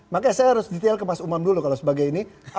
maka saya harus detail ke mas umam dulu kalau sebagai ini